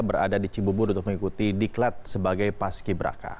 berada di cibubur untuk mengikuti diklat sebagai paski beraka